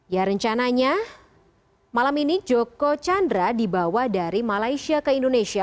ya rencananya malam ini joko chandra dibawa dari malaysia ke indonesia